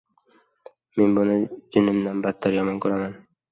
Men buni jinimdan battar yomon ko‘raman.